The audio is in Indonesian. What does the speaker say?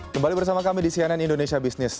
kembali bersama kami di cnn indonesia business